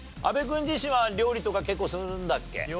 阿部君自身は料理とか結構するんだっけ？